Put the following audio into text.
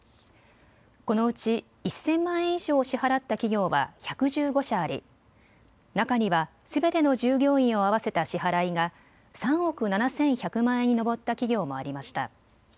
このうち１０００万円以上を支払った企業は１１５社あり中にはすべての従業員を合わせた支払いが３億７１００万円に上った企業もありました。